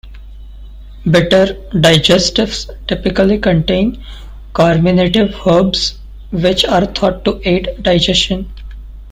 Bitter digestifs typically contain carminative herbs, which are thought to aid digestion.